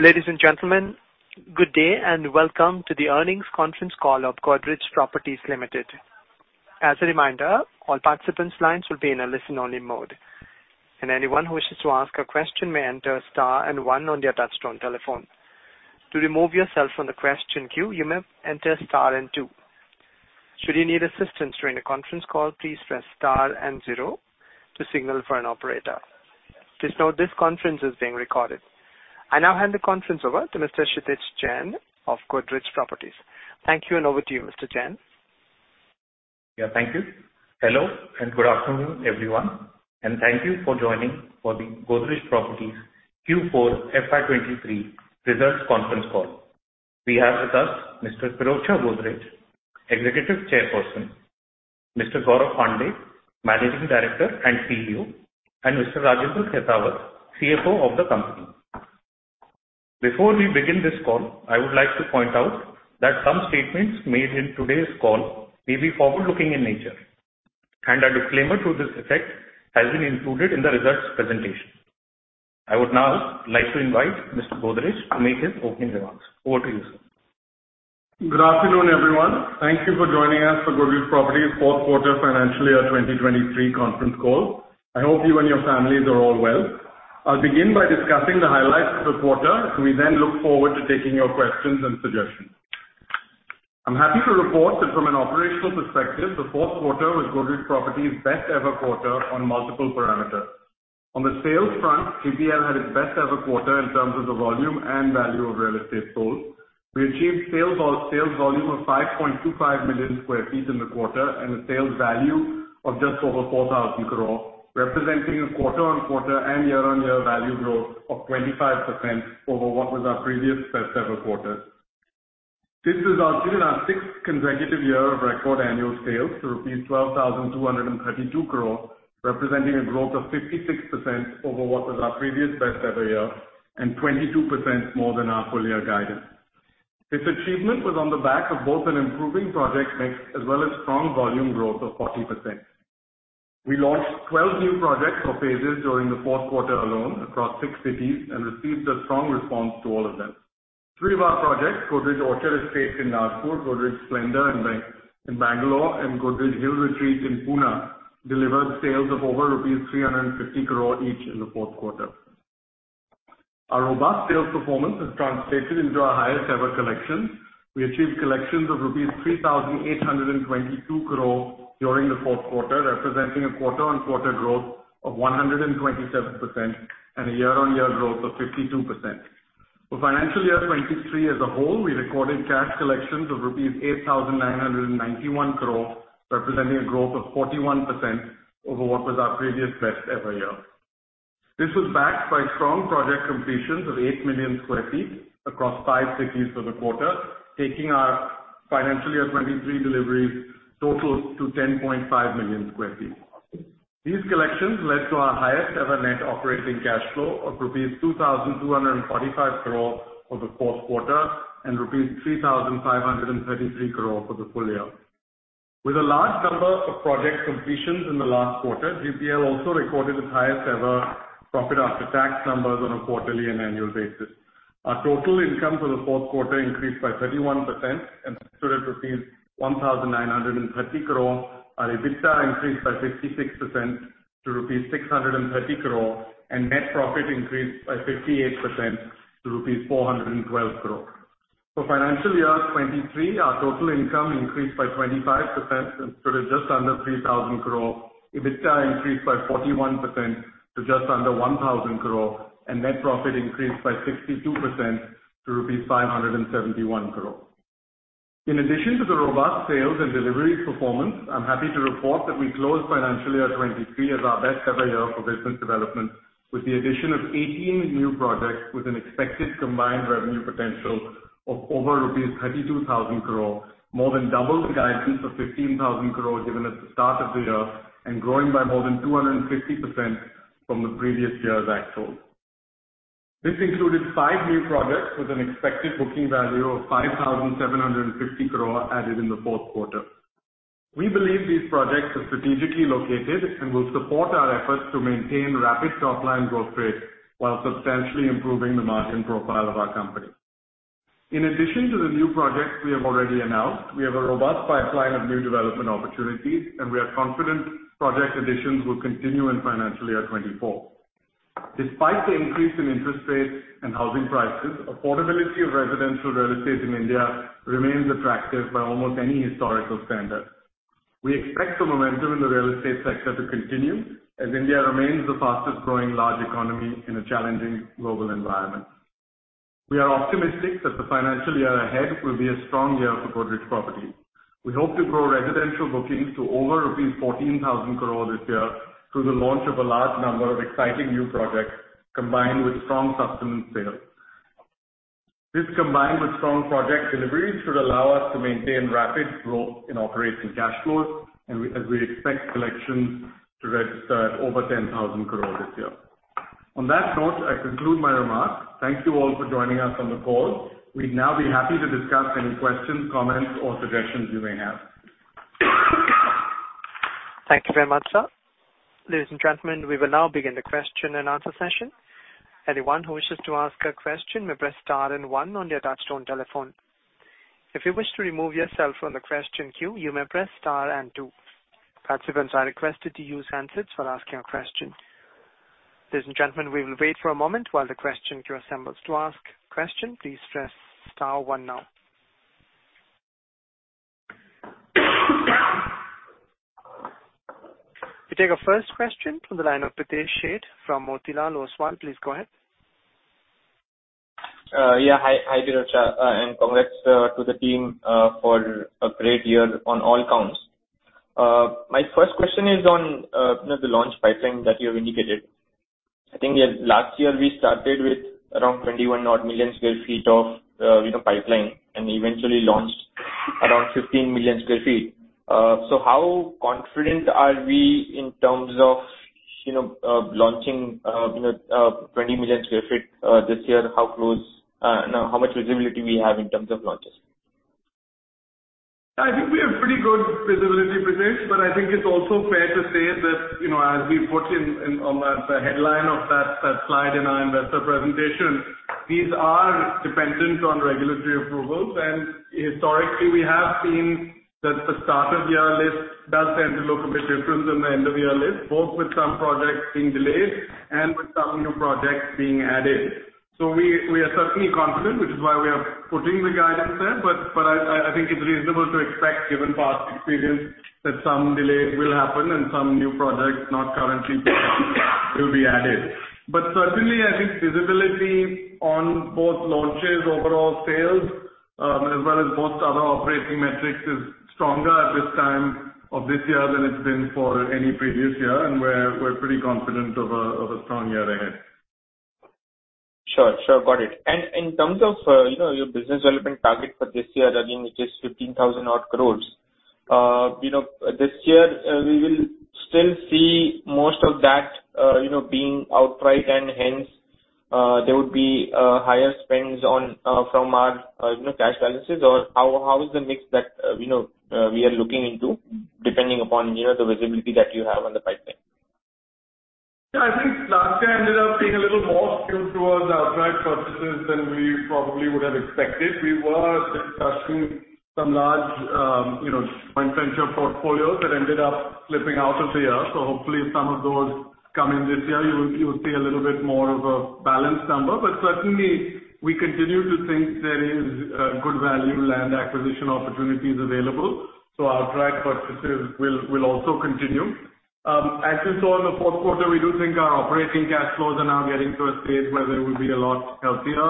Ladies and gentlemen, good day and welcome to the earnings conference call of Godrej Properties Limited. As a reminder, all participants' lines will be in a listen-only mode, and anyone who wishes to ask a question may enter star and one on their touchtone telephone. To remove yourself from the question queue, you may enter star and two. Should you need assistance during the conference call, please press star and zero to signal for an operator. Please note this conference is being recorded. I now hand the conference over to Mr. Kshitij Jain of Godrej Properties. Thank you, and over to you, Mr. Jain. Yeah, thank you. Hello, and good afternoon, everyone, and thank you for joining for the Godrej Properties Q4 FY 2023 results conference call. We have with us Mr. Pirojsha Godrej, Executive Chairperson, Mr. Gaurav Pandey, Managing Director and CEO, and Mr. Rajendra Khetawat, CFO of the company. Before we begin this call, I would like to point out that some statements made in today's call may be forward-looking in nature, and a disclaimer to this effect has been included in the results presentation. I would now like to invite Mr. Godrej to make his opening remarks. Over to you, sir. Good afternoon, everyone. Thank you for joining us for Godrej Properties' fourth quarter financial year 2023 conference call. I hope you and your families are all well. I'll begin by discussing the highlights of the quarter. We look forward to taking your questions and suggestions. I'm happy to report that from an operational perspective, the fourth quarter was Godrej Properties' best ever quarter on multiple parameters. On the sales front, GPL had its best ever quarter in terms of the volume and value of real estate sold. We achieved sales volume of 5.25 million sq ft in the quarter and a sales value of just over 4,000 crore, representing a quarter-on-quarter and year-on-year value growth of 25% over what was our previous best ever quarter. This is our sixth consecutive year of record annual sales, to rupees 12,232 crore, representing a growth of 56% over what was our previous best ever year and 22% more than our full year guidance. This achievement was on the back of both an improving project mix as well as strong volume growth of 40%. We launched 12 new projects or phases during the fourth quarter alone across six cities and received a strong response to all of them. Three of our projects, Godrej Orchard Estate in Nagpur, Godrej Splendour in Bangalore, and Godrej Hill Retreat in Pune, delivered sales of over rupees 350 crore each in the fourth quarter. Our robust sales performance has translated into our highest ever collections. We achieved collections of rupees 3,822 crore during the fourth quarter, representing a quarter-on-quarter growth of 127% and a year-on-year growth of 52%. For financial year 2023 as a whole, we recorded cash collections of rupees 8,991 crore, representing a growth of 41% over what was our previous best ever year. This was backed by strong project completions of eight million sq ft across five cities for the quarter, taking our financial year 2023 deliveries totals to 10.5 million sq ft. These collections led to our highest ever net operating cash flow of rupees 2,245 crore for the fourth quarter and rupees 3,533 crore for the full year. With a large number of project completions in the last quarter, GPL also recorded its highest ever profit after tax numbers on a quarterly and annual basis. Our total income for the fourth quarter increased by 31% and stood at rupees 1,930 crore. Our EBITDA increased by 56% to rupees 630 crore, and net profit increased by 58% to rupees 412 crore. For financial year 2023, our total income increased by 25% to just under 3,000 crore. EBITDA increased by 41% to just under 1,000 crore, and net profit increased by 62% to rupees 571 crore. In addition to the robust sales and delivery performance, I'm happy to report that we closed financial year 23 as our best ever year for business development, with the addition of 18 new projects with an expected combined revenue potential of over rupees 32,000 crore, more than double the guidance of 15,000 crore given at the start of the year and growing by more than 250% from the previous year's actuals. This included five new projects with an expected booking value of 5,750 crore added in the fourth quarter. We believe these projects are strategically located and will support our efforts to maintain rapid top-line growth rates while substantially improving the margin profile of our company. In addition to the new projects we have already announced, we have a robust pipeline of new development opportunities, and we are confident project additions will continue in financial year 2024. Despite the increase in interest rates and housing prices, affordability of residential real estate in India remains attractive by almost any historical standard. We expect the momentum in the real estate sector to continue as India remains the fastest growing large economy in a challenging global environment. We are optimistic that the financial year ahead will be a strong year for Godrej Properties. We hope to grow residential bookings to over rupees 14,000 crore this year through the launch of a large number of exciting new projects, combined with strong sustenance sales. This, combined with strong project deliveries, should allow us to maintain rapid growth in operating cash flows, and we expect collections to register at over 10,000 crore this year. On that note, I conclude my remarks. Thank you all for joining us on the call. We'd now be happy to discuss any questions, comments or suggestions you may have. Thank you very much, sir. Ladies and gentlemen, we will now begin the question-and-answer session. Anyone who wishes to ask a question may press star and one on your touch-tone telephone. If you wish to remove yourself from the question queue, you may press star and two. Participants are requested to use handsets for asking a question. Ladies and gentlemen, we will wait for a moment while the question queue assembles. To ask a question please press star one now. We take our first question from the line of Pritesh Sheth from Motilal Oswal. Please go ahead. Yeah. Hi, Pirojsha Godrej, congrats to the team for a great year on all counts. My first question is on, you know, the launch pipeline that you have indicated. I think last year we started with around 21 odd million sq ft of, you know, pipeline and eventually launched around 15 million sq ft. How confident are we in terms of, you know, launching, you know, 20 million sq ft this year? How close, how much visibility we have in terms of launches? I think we have pretty good visibility, Pritesh, but I think it's also fair to say that, you know, as we put in on the headline of that slide in our investor presentation, these are dependent on regulatory approvals. Historically, we have seen that the start of year list does tend to look a bit different than the end of year list, both with some projects being delayed and with some new projects being added. We are certainly confident, which is why we are putting the guidance there. I think it's reasonable to expect, given past experience, that some delays will happen and some new projects not currently planned will be added. Certainly I think visibility on both launches, overall sales, as well as most other operating metrics is stronger at this time of this year than it's been for any previous year, and we're pretty confident of a strong year ahead. Sure, sure. Got it. In terms of, you know, your business development target for this year, again, which is 15,000 odd crores, you know, this year, we will still see most of that, you know, being outright and hence, there would be higher spends on, from our, you know, cash balances, or how is the mix that, you know, we are looking into depending upon, you know, the visibility that you have on the pipeline? Yeah, I think last year ended up being a little more skewed towards outright purchases than we probably would have expected. We were discussing some large, you know, joint venture portfolios that ended up slipping out of the year. Hopefully some of those come in this year. You'll see a little bit more of a balanced number. Certainly we continue to think there is good value land acquisition opportunities available. Outright purchases will also continue. As you saw in the fourth quarter, we do think our operating cash flows are now getting to a stage where they will be a lot healthier.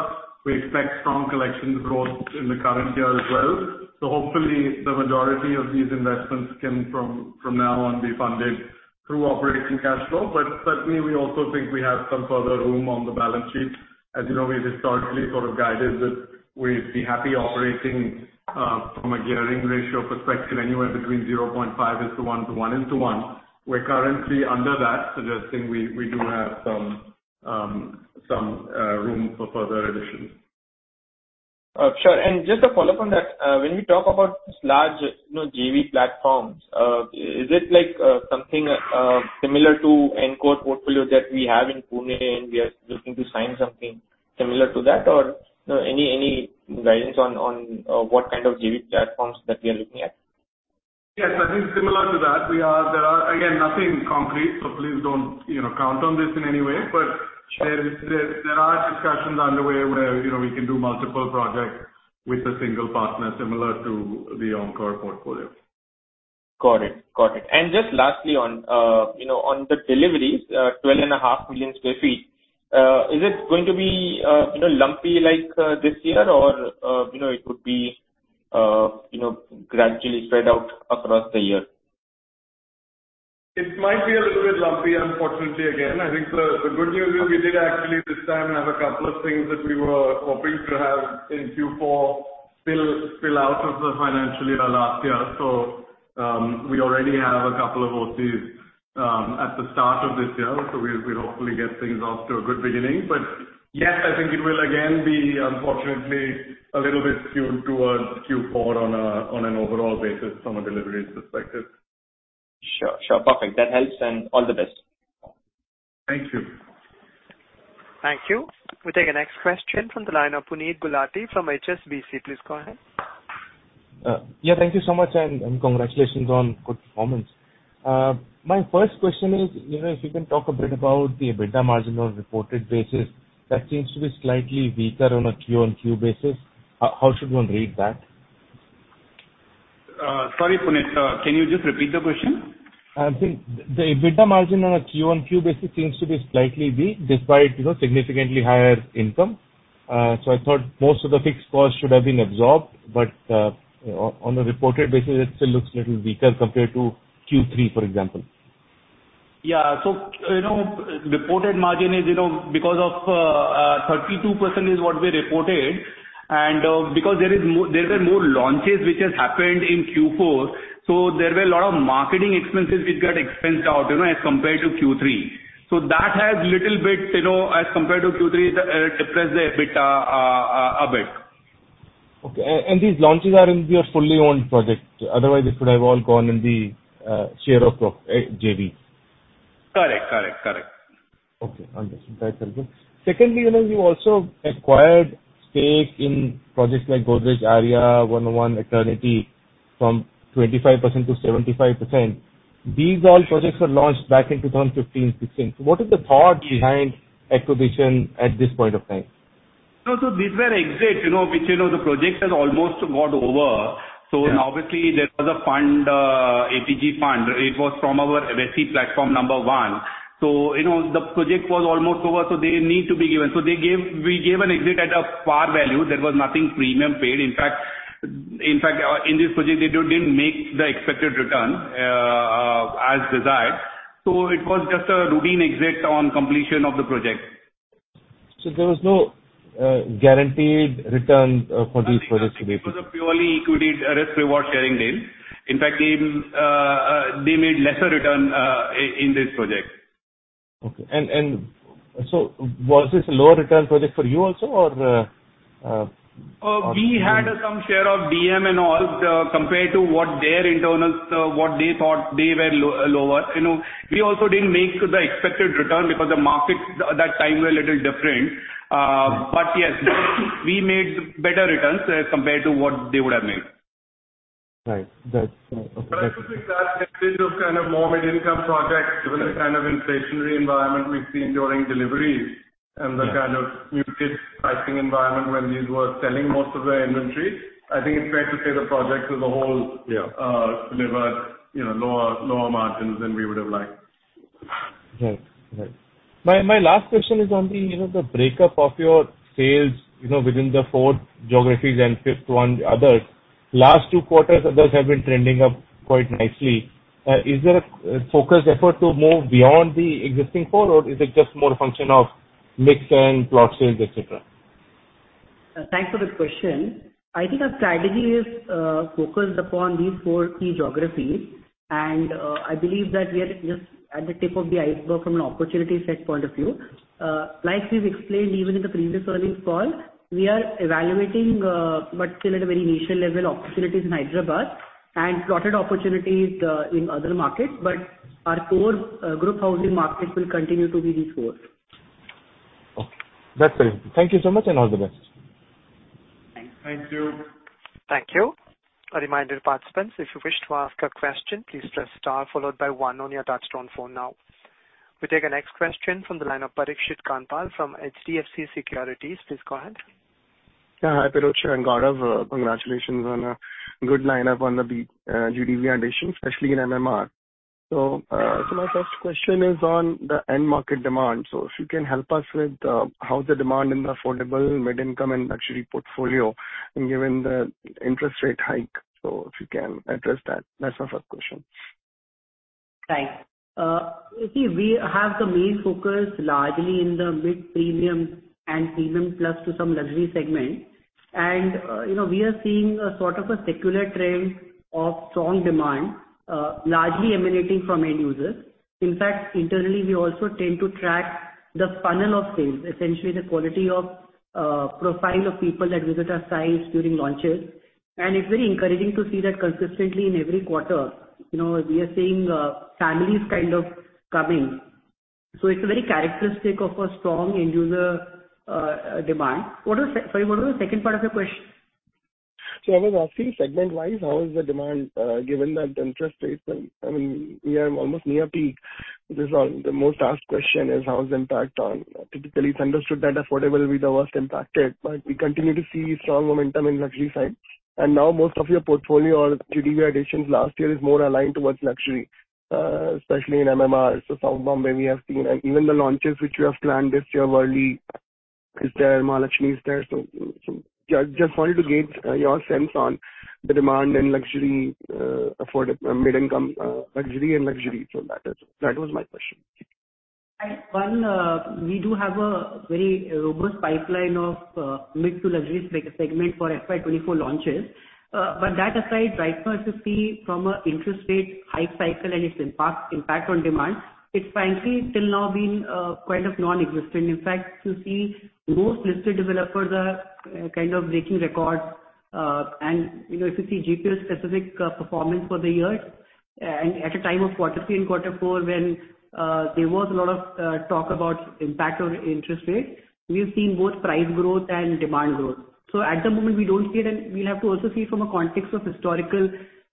We expect strong collections growth in the current year as well. Hopefully the majority of these investments can from now on be funded through operating cash flow. Certainly we also think we have some further room on the balance sheet. As you know, we've historically sort of guided that we'd be happy operating from a gearing ratio perspective, anywhere between 0.5:1 to 1:1. We're currently under that, suggesting we do have some room for further additions. Sure. Just a follow-up on that. When we talk about large, you know, JV platforms, is it like something similar to Encore portfolio that we have in Pune and we are looking to sign something similar to that? You know, any guidance on what kind of JV platforms that we are looking at? Yes, I think similar to that. There are, again, nothing concrete, so please don't, you know, count on this in any way. There are discussions underway where, you know, we can do multiple projects with a single partner similar to the Encore portfolio. Got it. Got it. Just lastly on, you know, on the deliveries, 12.5 million sq ft, is it going to be, you know, lumpy like, this year or, you know, it could be, you know, gradually spread out across the year? It might be a little bit lumpy, unfortunately, again. I think the good news is we did actually this time have a couple of things that we were hoping to have in Q4 spill out of the financial year last year. We already have a couple of OTs at the start of this year. We hopefully get things off to a good beginning. Yes, I think it will again be unfortunately a little bit skewed towards Q4 on an overall basis from a deliveries perspective. Sure, sure. Perfect. That helps. All the best. Thank you. Thank you. We'll take the next question from the line of Puneet Gulati from HSBC. Please go ahead. Yeah. Thank you so much, and congratulations on good performance. My first question is, you know, if you can talk a bit about the EBITDA margin on a reported basis that seems to be slightly weaker on a Q on Q basis. How should one read that? Sorry, Puneet. Can you just repeat the question? I think the EBITDA margin on a Q on Q basis seems to be slightly weak despite, you know, significantly higher income. I thought most of the fixed costs should have been absorbed. On a reported basis, it still looks a little weaker compared to Q3, for example. Yeah. you know, reported margin is, you know, 32% is what we reported and, because there were more launches which has happened in Q4. There were a lot of marketing expenses which got expensed out, you know, as compared to Q3. That has little bit, you know, as compared to Q3, depressed the EBITDA, a bit. Okay. These launches are in your fully owned project. Otherwise, they could have all gone in the share of your JV. Correct. Correct. Correct. Okay. Understood. That's all good. Secondly, you know, you also acquired stake in projects like Godrej Aria, 101 Eternity from 25% to 75%. These all projects were launched back in 2015, 2016. What is the thought- Yeah. Behind acquisition at this point of time? These were exits, you know, which, you know, the project has almost got over. Yeah. obviously there was a fund, APG fund. It was from our RECI platform, number one. you know, the project was almost over, so they need to be given. we gave an exit at a par value. There was nothing premium paid. In fact, in this project they didn't make the expected return, as desired. it was just a routine exit on completion of the project. There was no, guaranteed return, for these projects. It was a purely equity risk reward sharing deal. In fact, they made lesser return in this project. Okay. Was this a lower return project for you also or? We had some share of DM and all, compared to what their internals, what they thought they were lower. You know, we also didn't make the expected return because the markets at that time were a little different. Yes, we made better returns as compared to what they would have made. Right. That's okay. I think that in terms of kind of more mid-income projects with the kind of inflationary environment we've seen during deliveries. Yeah. The kind of muted pricing environment when these were selling most of their inventory, I think it's fair to say the projects as a whole. Yeah. delivered, you know, lower margins than we would have liked. Right. My last question is on the, you know, the breakup of your sales, you know, within the four geographies and fifth one, others. Last two quarters, others have been trending up quite nicely. Is there a focused effort to move beyond the existing four or is it just more a function of mix and plot sales, et cetera? Thanks for the question. I think our strategy is focused upon these four key geographies and I believe that we are just at the tip of the iceberg from an opportunity set point of view. Like we've explained even in the previous earnings call, we are evaluating, but still at a very initial level, opportunities in Hyderabad and plotted opportunities in other markets, but our core group housing markets will continue to be these four. Okay. That's very good. Thank you so much and all the best. Thank you. Thank you. Thank you. A reminder to participants, if you wish to ask a question, please press star followed by one on your touchtone phone now. We take our next question from the line of Parikshit Kandpal from HDFC Securities. Please go ahead. Yeah. Hi, Pirojsha and Gaurav. Congratulations on a good line-up on the GDV additions, especially in MMR. My first question is on the end market demand. If you can help us with how's the demand in the affordable mid-income and luxury portfolio and given the interest rate hike. If you can address that. That's my first question. Right. You see, we have the main focus largely in the mid-premium and premium plus to some luxury segment. You know, we are seeing a sort of a secular trend of strong demand, largely emanating from end users. In fact, internally, we also tend to track the funnel of sales, essentially the quality of profile of people that visit our sites during launches. It's very encouraging to see that consistently in every quarter. You know, we are seeing families kind of coming. It's a very characteristic of a strong end user demand. What was the Sorry, what was the second part of your question? I was asking segment-wise, how is the demand, given that the interest rates and, I mean, we are almost near peak? This is the most asked question is how it's impact on. Typically, it's understood that affordable will be the worst impacted, but we continue to see strong momentum in luxury side. Now most of your portfolio or GDV additions last year is more aligned towards luxury, especially in MMR. South Bombay we have seen, and even the launches which you have planned this year, Worli is there, Mahalakshmi is there. Just wanted to gauge your sense on the demand in luxury, mid-income, luxury and luxury. That is, that was my question. Thank you. Well, we do have a very robust pipeline of mid to luxury segment for FY 2024 launches. But that aside, right now if you see from a interest rate hike cycle and its impact on demand, it's frankly till now been kind of nonexistent. In fact, if you see, most listed developers are kind of breaking records. You know, if you see GP specific performance for the year, and at a time of quarter three and quarter four when there was a lot of talk about impact on interest rates, we've seen both price growth and demand growth. At the moment, we don't see it, and we'll have to also see from a context of historical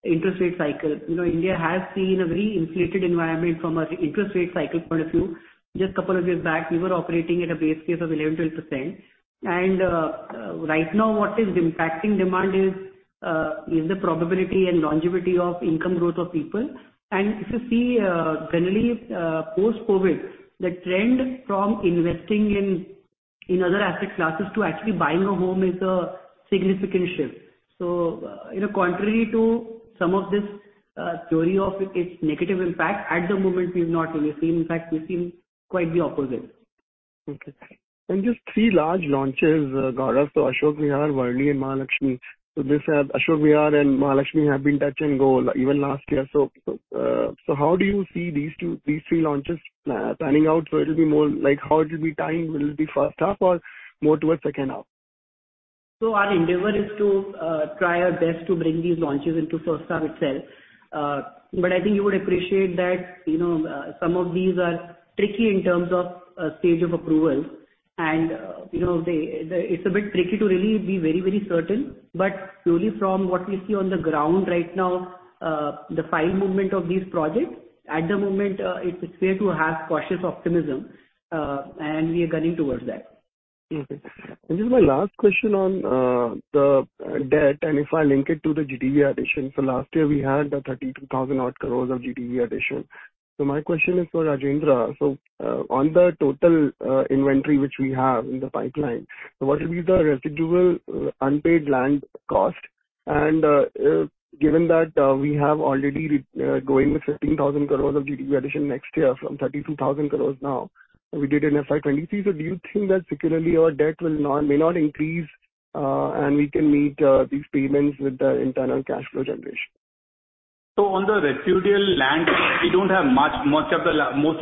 interest rate cycle. You know, India has seen a very inflated environment from a interest rate cycle point of view. Just couple of years back, we were operating at a base case of 11-12%. Right now what is impacting demand is the probability and longevity of income growth of people. If you see, generally, post-COVID, the trend from investing in other asset classes to actually buying a home is a significant shift. You know, contrary to some of this theory of its negative impact, at the moment we've not really seen. In fact, we've seen quite the opposite. Okay. Just three large launches, Gaurav. Ashok Vihar, Worli and Mahalakshmi. This Ashok Vihar and Mahalakshmi have been touch and go even last year. How do you see these two, these three launches planning out? It'll be more like how it'll be timed? Will it be first half or more towards second half? Our endeavor is to try our best to bring these launches into first half itself. I think you would appreciate that, you know, some of these are tricky in terms of stage of approval. You know, it's a bit tricky to really be very, very certain. Purely from what we see on the ground right now, the file movement of these projects, at the moment, it's fair to have cautious optimism, and we are gunning towards that. Okay. This is my last question on the debt, and if I link it to the GDV addition. Last year we had the 32,000 odd crores of GDV addition. My question is for Rajendra. On the total inventory which we have in the pipeline, what will be the residual unpaid land cost? Given that we have already going with 15,000 crores of GDV addition next year from 32,000 crores now, we did in FY 2023. Do you think that securely our debt will not, may not increase, and we can meet these payments with the internal cash flow generation? On the residual land, we don't have much. Most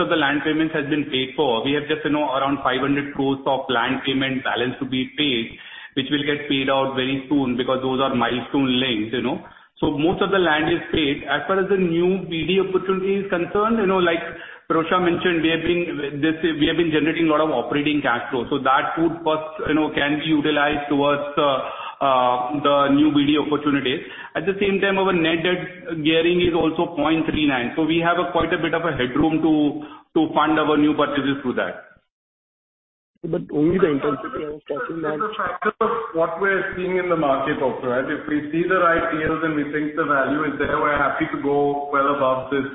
of the land payments has been paid for. We have just, you know, around 500 crore of land payment balance to be paid, which will get paid out very soon because those are milestone links, you know. Most of the land is paid. As far as the new BD opportunity is concerned, you know, like Pirojsha mentioned, we have been generating a lot of operating cash flow, that would first, you know, can be utilized towards the new BD opportunities. At the same time, our net debt gearing is also 0.39. We have a quite a bit of a headroom to fund our new purchases through that. Only the interest. It's a factor of what we're seeing in the market also, right? If we see the right deals and we think the value is there, we're happy to go well above this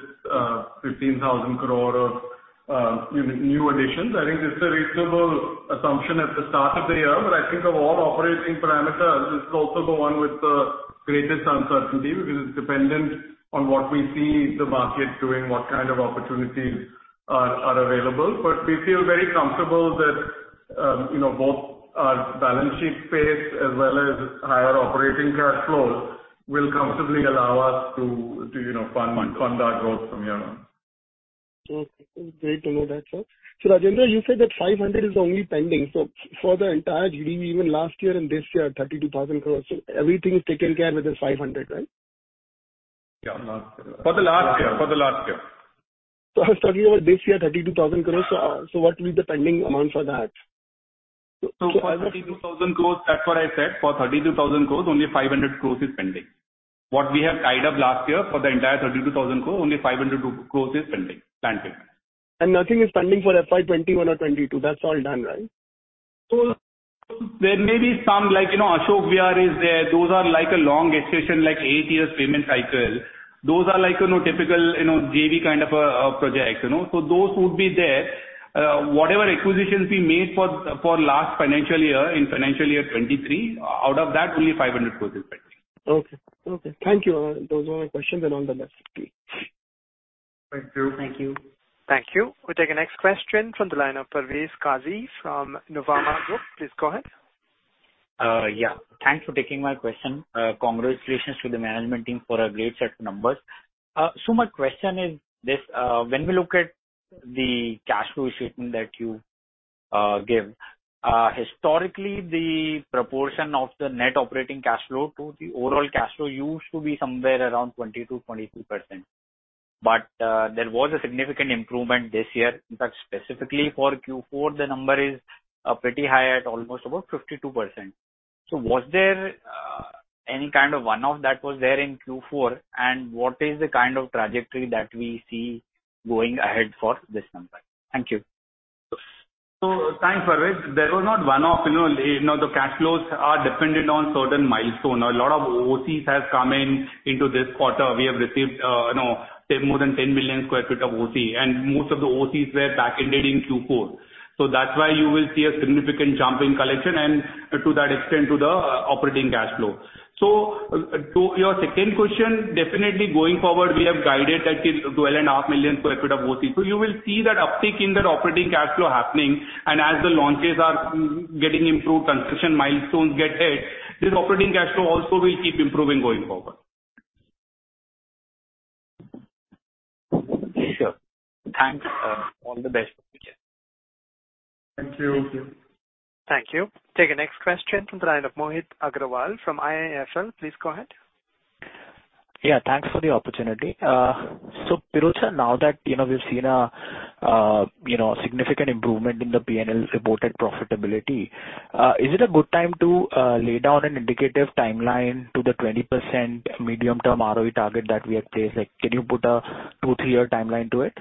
15,000 crore of new additions. I think this is a reasonable assumption at the start of the year. I think of all operating parameters, this is also the one with the greatest uncertainty because it's dependent on what we see the market doing, what kind of opportunities are available. We feel very comfortable that, you know, both our balance sheet space as well as higher operating cash flows will comfortably allow us to, you know, fund our growth from here on. Okay. Great to know that, sir. Rajendra, you said that 500 is only pending. For the entire GDV, even last year and this year, 32,000 crore. Everything is taken care with the 500, right? Yeah. For the last year. I was talking about this year, 32,000 crores. What will be the pending amount for that? For 32,000 crore, that's what I said. For 32,000 crore, only 500 crore is pending. What we have tied up last year for the entire 32,000 crore, only 500 crore is pending, land paid. Nothing is pending for FY 2021 or 2022. That's all done, right? There may be some like, you know, Ashok Vihar is there. Those are like a long extension, like eight years payment cycle. Those are like, you know, typical, you know, JV kind of a project, you know. Those would be there. Whatever acquisitions we made for last financial year in financial year 2023, out of that only 500 crores is pending. Okay. Okay. Thank you. Those were my questions and all the best. Thank you. Thank you. Thank you. We'll take the next question from the line of Parvez Kazi from Nuvama Group. Please go ahead. Yeah. Thanks for taking my question. Congratulations to the management team for a great set of numbers. My question is this, when we look at the cash flow statement that you gave, historically the proportion of the net operating cash flow to the overall cash flow used to be somewhere around 20%-22%. There was a significant improvement this year. In fact, specifically for Q4, the number is pretty high at almost about 52%. Was there any kind of one-off that was there in Q4? What is the kind of trajectory that we see going ahead for this number? Thank you. Thanks, Parvez. There was not one-off, you know. You know, the cash flows are dependent on certain milestones. A lot of OCs has come in into this quarter. We have received, you know, say more than 10 million sq ft of OC, and most of the OCs were back-ended in Q4. That's why you will see a significant jump in collection and to that extent to the operating cash flow. To your second question, definitely going forward, we have guided that is 12.5 million sq ft of OC. You will see that uptick in that operating cash flow happening. As the launches are getting improved, construction milestones get hit, this operating cash flow also will keep improving going forward. Sure. Thanks. All the best. Thank you. Thank you. Thank you. Take the next question from the line of Mohit Agrawal from IIFL. Please go ahead. Thanks for the opportunity. Pirojsha, now that, you know, we've seen a, you know, significant improvement in the P&L reported profitability, is it a good time to lay down an indicative timeline to the 20% medium-term ROE target that we had placed? Can you put a two, three-year timeline to it?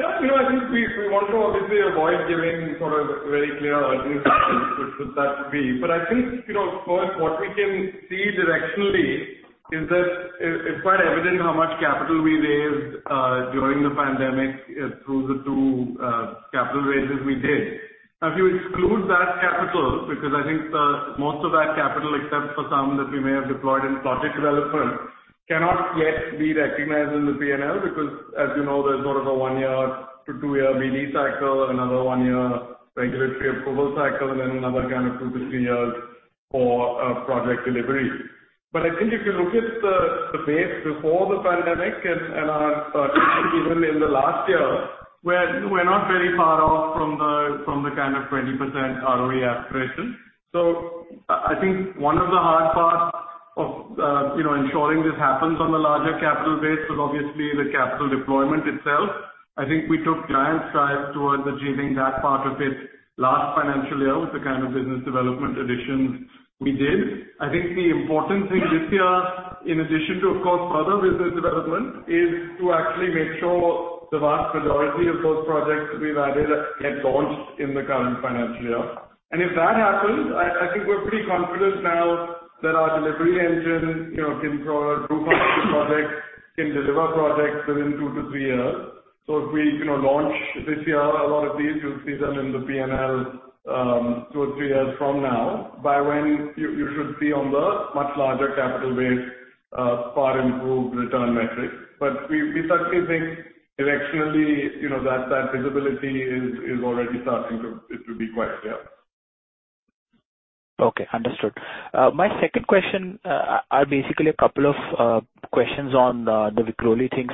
Yeah. You know, I think we want to obviously avoid giving sort of very clear urgency with that view. I think, you know, first what we can see directionally is that it's quite evident how much capital we raised during the pandemic through the two capital raises we did. Now, if you exclude that capital, because I think most of that capital, except for some that we may have deployed in project development, cannot yet be recognized in the P&L because, as you know, there's sort of a one-year to two-year BD cycle, another one-year regulatory approval cycle, and then another kind of two to three years for project delivery. I think if you look at the base before the pandemic and our even in the last year, we're not very far off from the kind of 20% ROE aspiration. I think one of the hard parts of, you know, ensuring this happens on the larger capital base is obviously the capital deployment itself. We took giant strides towards achieving that part of it last financial year with the kind of business development additions we did. The important thing this year, in addition to of course further business development, is to actually make sure the vast majority of those projects we've added get launched in the current financial year. If that happens, I think we're pretty confident now that our delivery engine, you know, can sort of prove out the projects, can deliver projects within two to three years. If we, you know, launch this year a lot of these, you'll see them in the PNL two or three years from now, by when you should see on the much larger capital base far improved return metrics. We certainly think directionally, you know, that visibility is already starting to be quite clear. Okay, understood. My second question, are basically a couple of questions on the Vikhroli thing.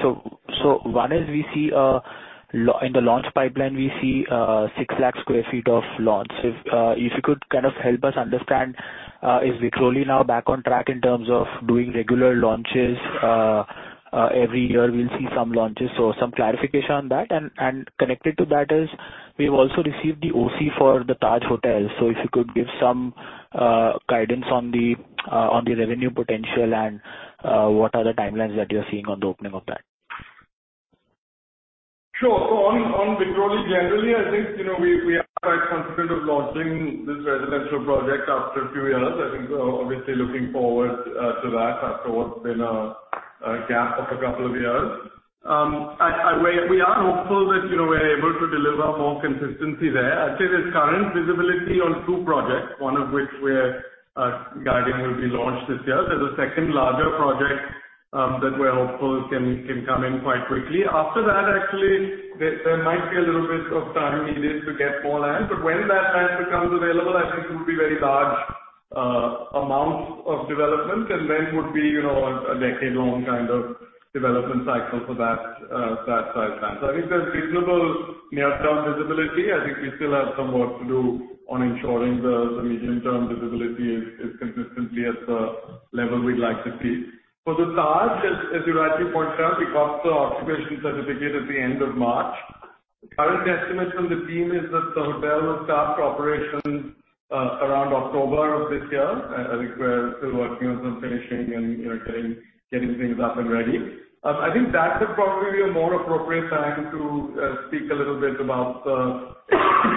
One is we see in the launch pipeline, we see 6 lakh sq ft of launch. If you could kind of help us understand, is Vikhroli now back on track in terms of doing regular launches? Every year we'll see some launches. Some clarification on that. Connected to that is we've also received the OC for the Taj Hotel. If you could give some guidance on the on the revenue potential and what are the timelines that you're seeing on the opening of that? Sure. On Vikhroli generally, I think, you know, we are quite confident of launching this residential project after a few years. I think we're obviously looking forward to that after what's been a gap of a couple of years. We are hopeful that, you know, we're able to deliver more consistency there. I'd say there's current visibility on two projects, one of which we're guiding will be launched this year. There's a second larger project that we're hopeful can come in quite quickly. After that, actually, there might be a little bit of time needed to get more land. When that land becomes available, I think it will be very large amounts of development and then would be, you know, a decade-long kind of development cycle for that size land. I think there's reasonable near-term visibility. I think we still have some work to do on ensuring the medium-term visibility is consistently at the level we'd like to see. For the Taj, as you rightly pointed out, we got the occupation certificate at the end of March. Current estimate from the team is that the hotel will start operations around October of this year. I think we're still working on some finishing and, you know, getting things up and ready. I think that could probably be a more appropriate time to speak a little bit about the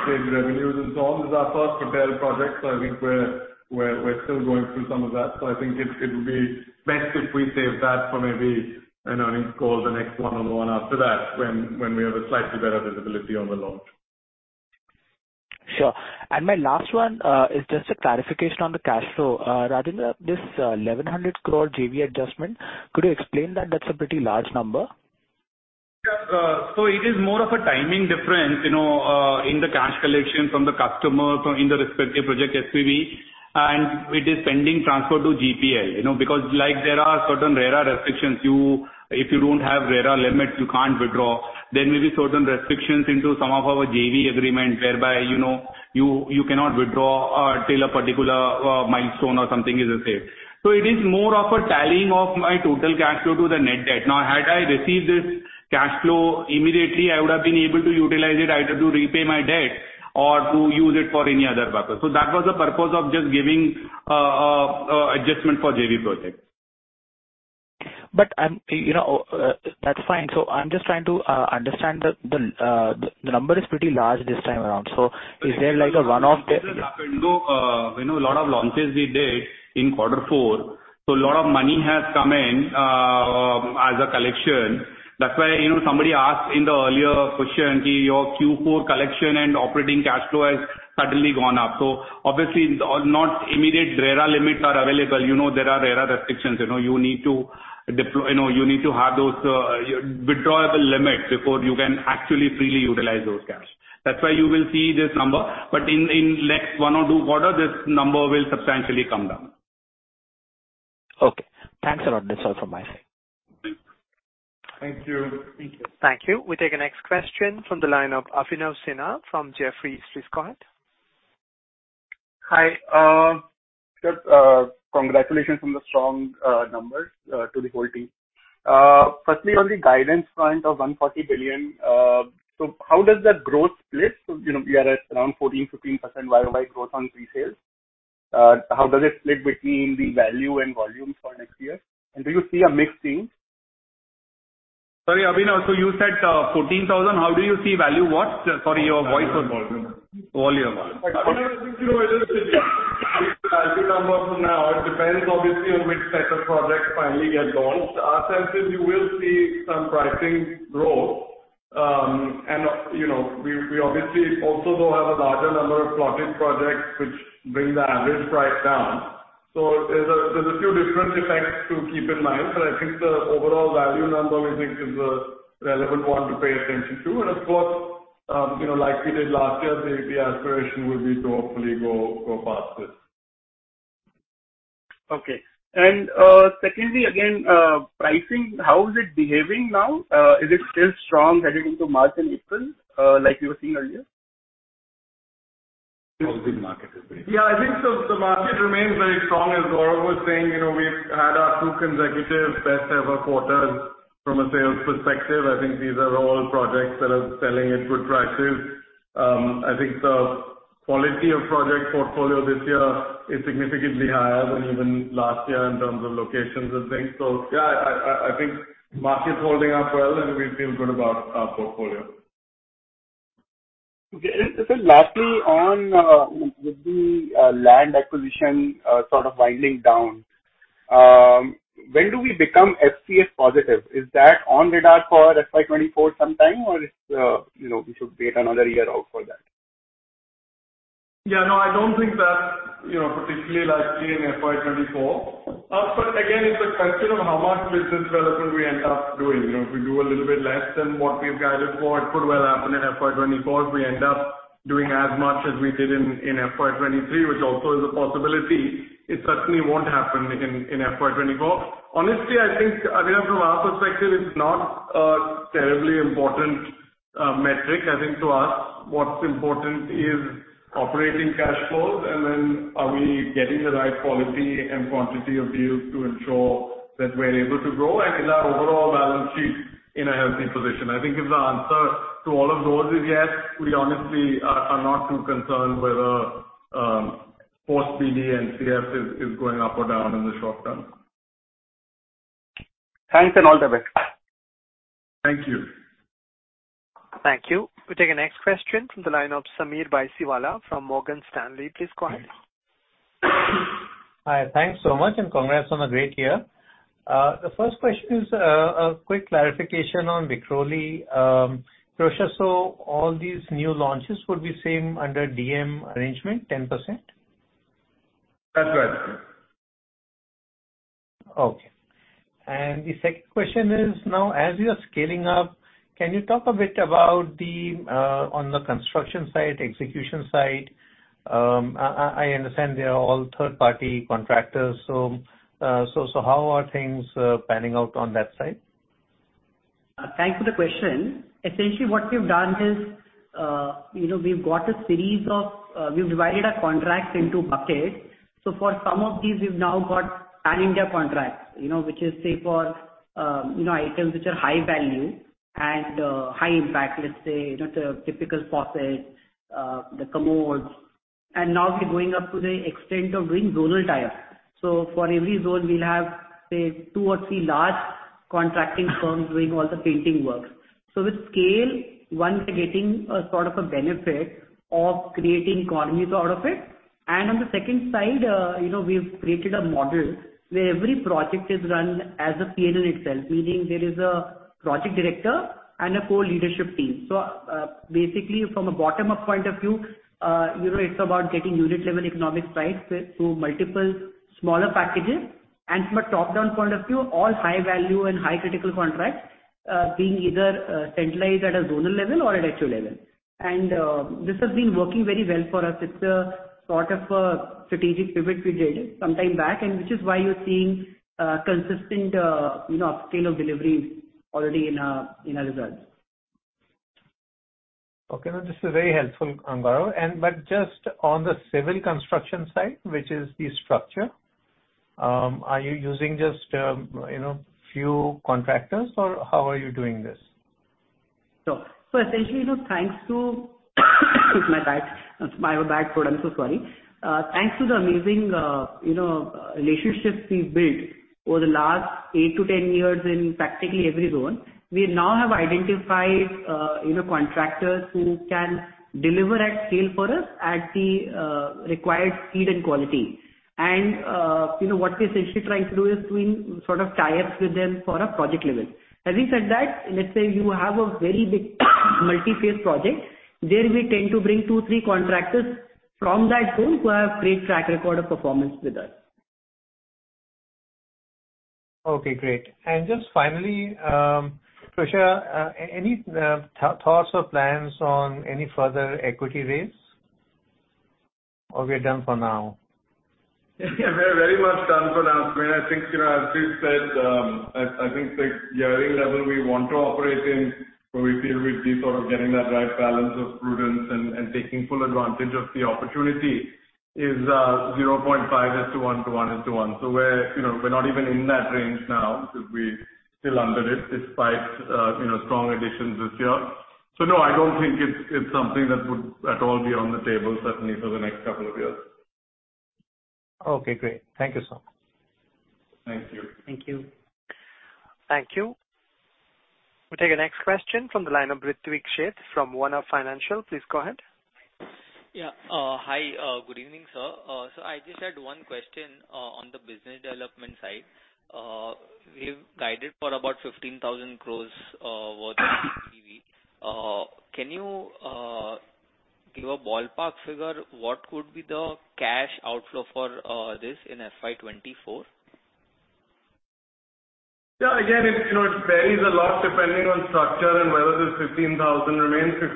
stage revenues involved. This is our first hotel project, I think we're still going through some of that. I think it would be best if we save that for maybe an earnings call, the next one or the one after that, when we have a slightly better visibility on the launch. Sure. My last one is just a clarification on the cash flow. Rajinder, this 1,100 crore JV adjustment, could you explain that? That's a pretty large number. Yeah. So it is more of a timing difference, you know, in the cash collection from the customer, from in the respective project SPV, and it is pending transfer to GPL. You know, because like there are certain RERA restrictions, if you don't have RERA limits you can't withdraw. There may be certain restrictions into some of our JV agreements whereby, you know, you cannot withdraw or till a particular milestone or something is achieved. It is more of a tallying of my total cash flow to the net debt. Now, had I received this cash flow immediately I would have been able to utilize it either to repay my debt or to use it for any other purpose. That was the purpose of just giving adjustment for JV projects. You know, that's fine. I'm just trying to understand the number is pretty large this time around. Is there like a one-off? You know, a lot of launches we did in Q4, a lot of money has come in as a collection. That's why, you know, somebody asked in the earlier question, see your Q4 collection and operating cash flow has suddenly gone up. Obviously not immediate RERA limits are available. You know, there are RERA restrictions. You know, you need to have those withdrawable limits before you can actually freely utilize those cash. That's why you will see this number. In next one or two quarters this number will substantially come down. Okay. Thanks a lot. That's all from my side. Thank you. Thank you. Thank you. We take the next question from the line of Abhinav Sinha from Jefferies. Please go ahead. Hi. Just congratulations on the strong numbers to the whole team. Firstly on the guidance front of 140 billion, how does that growth split? You know, we are at around 14%, 15% YOY growth on pre-sales. How does it split between the value and volume for next year? Do you see a mix change? Sorry, Abhinav. You said, 14,000. How do you see value what? Sorry, your voice was- Volume. Volume. I think, you know, it is value number from now. It depends obviously on which set of projects finally get launched. Our sense is you will see some pricing growth. you know, we obviously also though have a larger number of plotted projects which bring the average price down. There's a few different effects to keep in mind, but I think the overall value number we think is a relevant one to pay attention to. Of course, you know, like we did last year, the aspiration would be to hopefully go past this. Okay. Secondly again, pricing, how is it behaving now? Is it still strong heading into March and April, like you were seeing earlier? How the market is behaving? I think the market remains very strong. As Gaurav was saying, you know, we've had our two consecutive best ever quarters from a sales perspective. I think these are all projects that are selling at good prices. I think the quality of project portfolio this year is significantly higher than even last year in terms of locations and things. I think market's holding up well, and we feel good about our portfolio. Okay. Lastly on, with the land acquisition, sort of winding down, when do we become SCS positive? Is that on radar for FY 2024 sometime, or it's, you know, we should wait another year out for that? Yeah. No, I don't think that's, you know, particularly likely in FY 2024. Again, it's a question of how much business development we end up doing. You know, if we do a little bit less than what we've guided for, it could well happen in FY 2024. If we end up doing as much as we did in FY 2023, which also is a possibility, it certainly won't happen in FY 2024. Honestly, I think, again, from our perspective, it's not a terribly important metric. I think to us, what's important is operating cash flows and then are we getting the right quality and quantity of deals to ensure that we're able to grow, and is our overall balance sheet in a healthy position. I think if the answer to all of those is yes, we honestly are not too concerned whether, post PD and CF is going up or down in the short term. Thanks and all the best. Thank you. Thank you. We take the next question from the line of Sameer Baisiwala from Morgan Stanley. Please go ahead. Hi. Thanks so much and congrats on a great year. The first question is, a quick clarification on Vikhroli. Pirojsha, all these new launches would be same under DM arrangement, 10%? That's right. Okay. The second question is, now as you are scaling up, can you talk a bit about the on the construction side, execution side? I understand they are all third-party contractors. How are things panning out on that side? Thanks for the question. Essentially what we've done is, you know, we've got a series of, we've divided our contracts into buckets. For some of these, we've now got pan-India contracts, you know, which is, say, for, you know, items which are high value and, high impact, let's say, you know, the typical faucet, the commodes. Now we're going up to the extent of doing zonal tie-ups. For every zone we'll have, say, two or three large contracting firms doing all the painting work. With scale, one, we're getting a sort of a benefit of creating economies out of it. On the second side, you know, we've created a model where every project is run as a PNL itself. Meaning there is a project director and a core leadership team. Basically from a bottom-up point of view, you know, it's about getting unit level economics right through multiple smaller packages. From a top-down point of view, all high value and high critical contracts, being either centralized at a zonal level or at HQ level. This has been working very well for us. It's a sort of a strategic pivot we did some time back, and which is why you're seeing consistent, you know, upscale of deliveries already in our, in our results. Okay. No, this is very helpful, Gaurav. Just on the civil construction side, which is the structure, are you using just, you know, few contractors or how are you doing this? Essentially, you know, thanks to excuse my bad throat. I'm so sorry. Thanks to the amazing, you know, relationships we've built over the last eight-10 years in practically every zone, we now have identified, you know, contractors who can deliver at scale for us at the required speed and quality. What we're essentially trying to do is doing sort of tie-ups with them for a project level. Having said that, let's say you have a very big multi-phase project. There we tend to bring two, three contractors from that group who have great track record of performance with us. Okay, great. Just finally, Pirojsha, any thoughts or plans on any further equity raise? We are done for now? We're very much done for now. I mean, I think, you know, as we've said, I think the gearing level we want to operate in, where we feel we'd be sort of getting that right balance of prudence and taking full advantage of the opportunity is, 0.5:1 to 1:1. We're, you know, we're not even in that range now. We're still under it, despite, you know, strong additions this year. No, I don't think it's something that would at all be on the table, certainly for the next couple of years. Okay, great. Thank you, sir. Thank you. Thank you. Thank you. We take the next question from the line of Ritwik Sheth from One Up Financial Consultants. Please go ahead. Yeah. Hi. Good evening, sir. I just had one question, on the business development side. We've guided for about 15,000 crores, worth of GDV. Can you Give a ballpark figure, what could be the cash outflow for this in FY 2024? Yeah, again, it, you know, it varies a lot depending on structure and whether this 15,000 remains 15,000.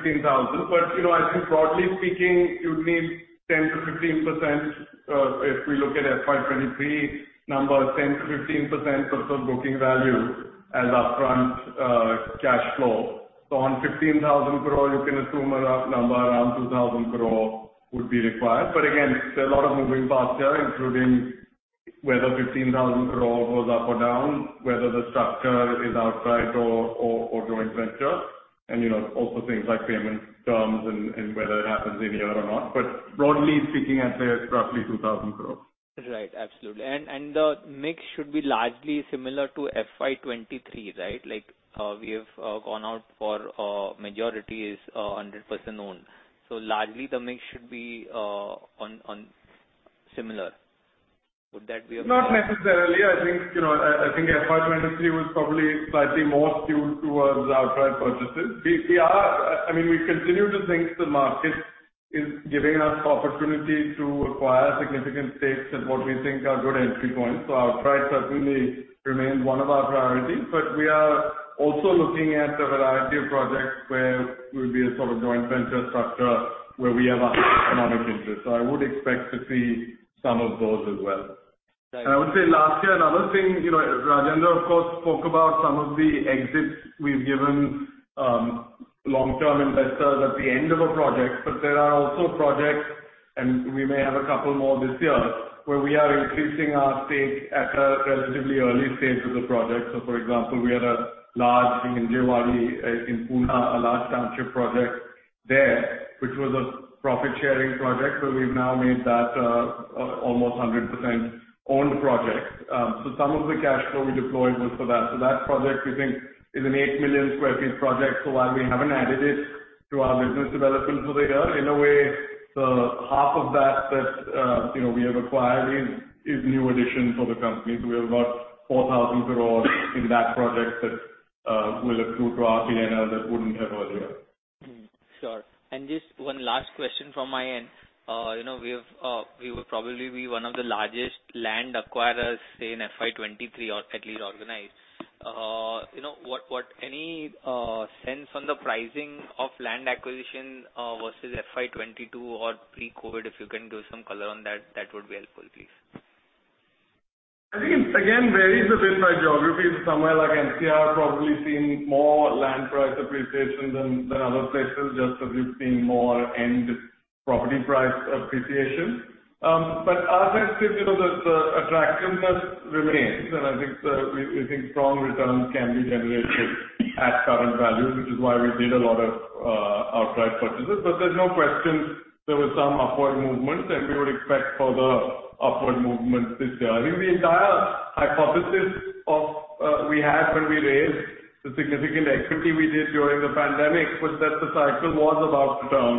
You know, I think broadly speaking, you'd need 10%-15%, if we look at FY 2023 numbers, 10%-15% of the booking value as upfront cash flow. On 15,000 crore, you can assume a number around 2,000 crore would be required. Again, there are a lot of moving parts here, including whether 15,000 crore goes up or down, whether the structure is outright or joint venture, and, you know, also things like payment terms and whether it happens in a year or not. Broadly speaking, I'd say it's roughly 2,000 crore. Right. Absolutely. The mix should be largely similar to FY 2023, right? Like, we have gone out for majority is 100% owned. Largely the mix should be on similar. Not necessarily. I think, you know, I think FY 2023 was probably slightly more skewed towards outright purchases. We are. I mean, we continue to think the market is giving us opportunity to acquire significant stakes at what we think are good entry points. Outright certainly remains one of our priorities. We are also looking at a variety of projects where we'll be a sort of joint venture structure where we have a economic interest. I would expect to see some of those as well. Right. I would say last year, another thing, you know, Rajendra, of course, spoke about some of the exits we've given, long-term investors at the end of a project. There are also projects, and we may have a couple more this year, where we are increasing our stake at a relatively early stage of the project. For example, we had a large thing in Undri, in Pune, a large township project there, which was a profit-sharing project, but we've now made that a almost 100% owned project. Some of the cash flow we deployed was for that. That project we think is an 8 million sq ft project. While we haven't added it to our business development for the year, in a way, the half of that, you know, we have acquired is new addition for the company. We have about 4,000 crores in that project that will accrue to our PNL that wouldn't have earlier. Sure. Just one last question from my end. you know, we will probably be one of the largest land acquirers say in FY 2023, or at least organized. you know, what any sense on the pricing of land acquisition versus FY 2022 or pre-COVID, if you can give some color on that would be helpful, please. I think it, again, varies a bit by geography. Somewhere like NCR probably seeing more land price appreciation than other places, just because we've seen more end property price appreciation. As I said, you know, the attractiveness remains, and I think we think strong returns can be generated at current values, which is why we did a lot of outright purchases. There's no question there was some upward movement, and we would expect further upward movement this year. I think the entire hypothesis of we had when we raised the significant equity we did during the pandemic was that the cycle was about to turn,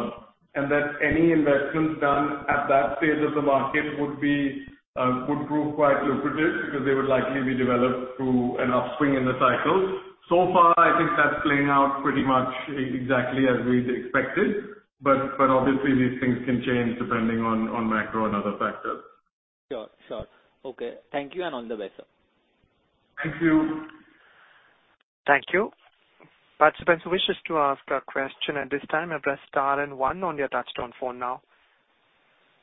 that any investments done at that stage of the market would prove quite lucrative because they would likely be developed through an upswing in the cycle. Far, I think that's playing out pretty much exactly as we'd expected. Obviously these things can change depending on macro and other factors. Sure, sure. Okay. Thank you, and all the best, sir. Thank you. Thank you. Participant who wishes to ask a question at this time, press star and one on your touch-tone phone now.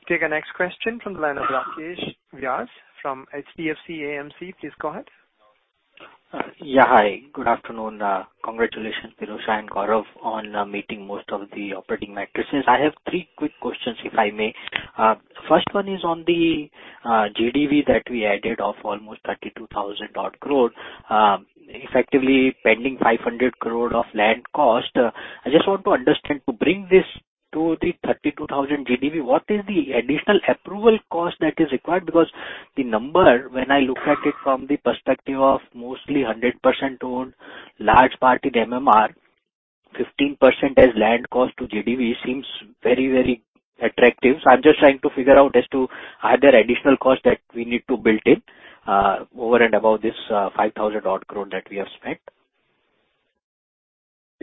Take our next question from the line of Rakesh Vyas from HDFC AMC. Please go ahead. Yeah, hi. Good afternoon. Congratulations, Pirojsha and Gaurav, on meeting most of the operating matrices. I have three quick questions, if I may. First one is on the GDV that we added of almost 32,000 odd crore, effectively pending 500 crore of land cost. I just want to understand, to bring this to the 32,000 GDV, what is the additional approval cost that is required? Because the number, when I look at it from the perspective of mostly 100% owned, large part in MMR, 15% as land cost to GDV seems very, very attractive. I'm just trying to figure out as to are there additional costs that we need to build in over and above this 5,000 odd crore that we have spent?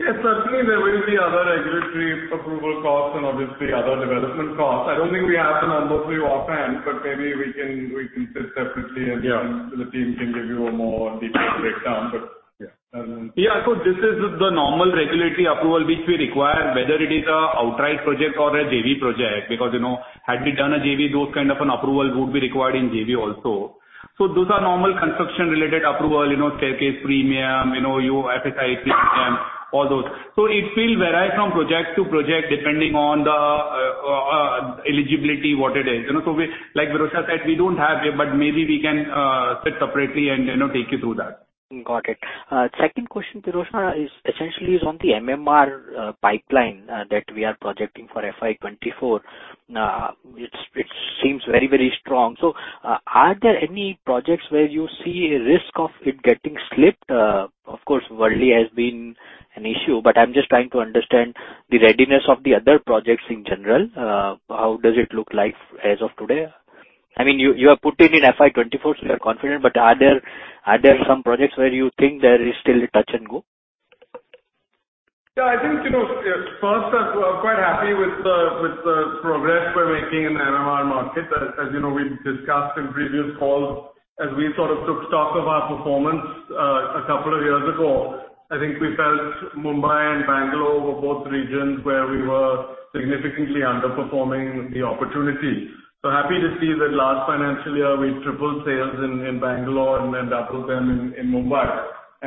Yeah, certainly there will be other regulatory approval costs and obviously other development costs. I don't think we have the numbers with you offhand, but maybe we can sit separately. Yeah. Then the team can give you a more detailed breakdown. Yeah. Yeah. This is the normal regulatory approval which we require, whether it is a outright project or a JV project. Because, you know, had we done a JV, those kind of an approval would be required in JV also. Those are normal construction-related approval, you know, staircase premium, you know, your FSI premium, all those. It will vary from project to project depending on the eligibility, what it is. You know, Like Pirojsha said, we don't have it, but maybe we can sit separately and, you know, take you through that. Got it. Second question, Pirojsha Godrej, is essentially is on the MMR pipeline that we are projecting for FY 2024. Which seems very, very strong. Are there any projects where you see a risk of it getting slipped? Of course, Worli has been an issue, but I'm just trying to understand the readiness of the other projects in general. How does it look like as of today? I mean, you have put in in FY 2024, you're confident. Are there some projects where you think there is still a touch and go? I think, you know, first, I'm quite happy with the progress we're making in the MMR market. As you know, we've discussed in previous calls, as we sort of took stock of our performance two years ago, I think we felt Mumbai and Bangalore were both regions where we were significantly underperforming the opportunity. Happy to see that last financial year we tripled sales in Bangalore and then doubled them in Mumbai.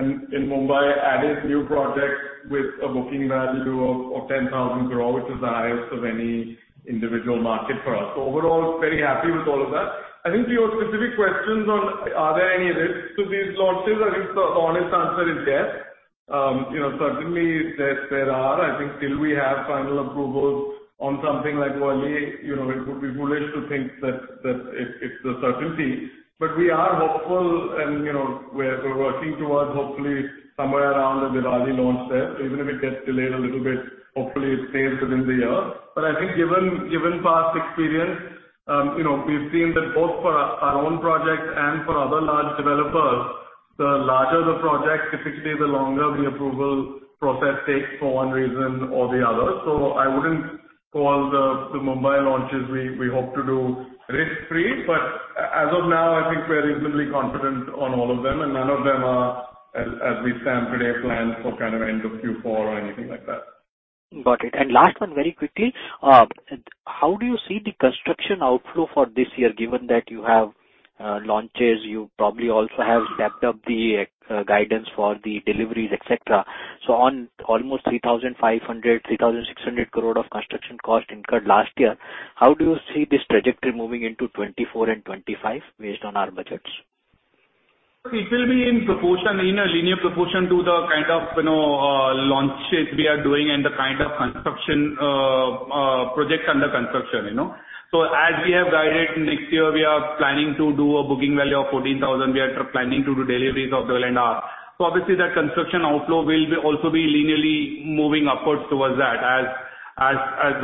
In Mumbai, added new projects with a booking value of 10,000 crore, which is the highest of any individual market for us. Overall, very happy with all of that. I think to your specific questions on are there any risks to these launches, I think the honest answer is yes. You know, certainly there are. I think till we have final approvals on something like Worli, you know, it would be foolish to think that it's a certainty. We are hopeful and, you know, we're working towards hopefully somewhere around the Diwali launch there, even if it gets delayed a little bit, hopefully it sails within the year. I think given past experience, you know, we've seen that both for our own projects and for other large developers, the larger the project, typically the longer the approval process takes for one reason or the other. So I wouldn't call the Mumbai launches we hope to do risk-free. As of now, I think we're reasonably confident on all of them, and none of them are, as we stand today, planned for kind of end of Q4 or anything like that. Got it. Last one very quickly. How do you see the construction outflow for this year, given that you have launches, you probably also have stepped up the guidance for the deliveries, et cetera? On almost 3,500-3,600 crore of construction cost incurred last year, how do you see this trajectory moving into 2024 and 2025 based on our budgets? It will be in proportion, in a linear proportion to the kind of, you know, launches we are doing and the kind of construction, projects under construction, you know. As we have guided next year, we are planning to do a booking value of 14,000. We are planning to do deliveries of INR 12.5. Obviously that construction outflow will be also be linearly moving upwards towards that as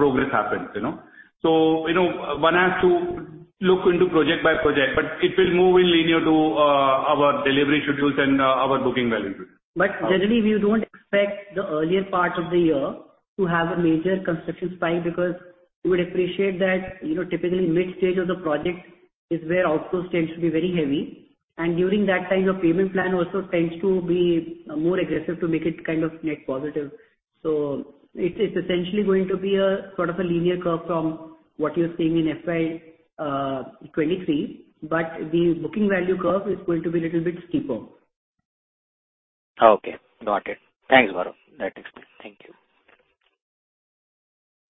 progress happens, you know. One has to look into project by project, but it will move in linear to our delivery schedules and our booking values. Generally, we don't expect the earlier part of the year to have a major construction spike because you would appreciate that, you know, typically mid stage of the project is where outflows tend to be very heavy. During that time, the payment plan also tends to be more aggressive to make it kind of net positive. It's essentially going to be a sort of a linear curve from what you're seeing in FY 2023, but the booking value curve is going to be a little bit steeper. Okay, got it. Thanks, Varun. That explains. Thank you.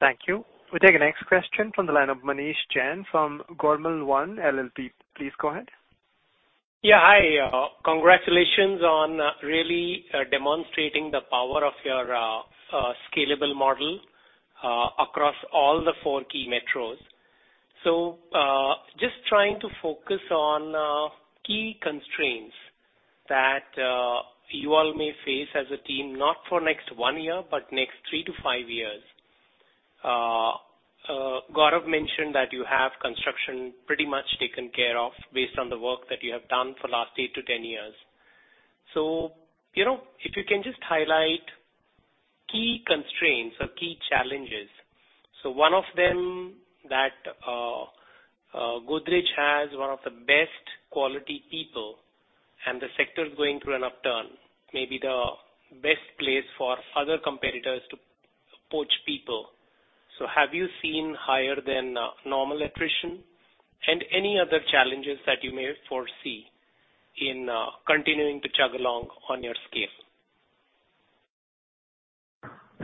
Thank you. We take the next question from the line of Manish Jain from GormalOne LLP. Please go ahead. Hi. Congratulations on really demonstrating the power of your scalable model across all the four key metros. Just trying to focus on key constraints that you all may face as a team, not for next one year, but next three to five years. Gaurav mentioned that you have construction pretty much taken care of based on the work that you have done for last eight to 10 years. You know, if you can just highlight key constraints or key challenges. One of them that Godrej has one of the best quality people and the sector is going through an upturn, may be the best place for other competitors to poach people. Have you seen higher than normal attrition? Any other challenges that you may foresee in continuing to chug along on your scale?